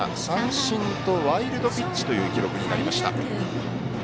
三振とワイルドピッチという記録になりました。